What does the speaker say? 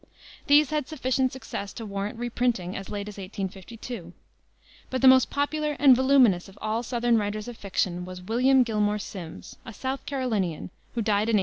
These had sufficient success to warrant reprinting as late as 1852. But the most popular and voluminous of all Southern writers of fiction was William Gilmore Simms, a South Carolinian, who died in 1870.